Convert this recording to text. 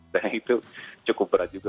nah itu cukup berat juga